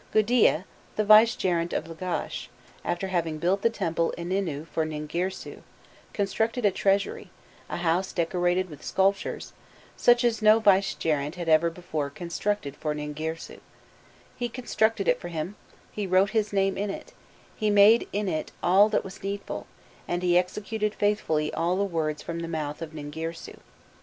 "Gudea, the 'vicegerent' of Lagash, after having built the temple Ininnu for Ningirsu, constructed a treasury; a house decorated with sculptures, such as no 'vicegerent' had ever before constructed for Ningirsu; he constructed it for him, he wrote his name in it, he made in it all that was needful, and he executed faithfully all the words from the mouth of Ningirsu."